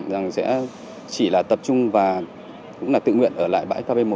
rằng sẽ chỉ là tập trung và cũng là tự nguyện ở lại bãi kv một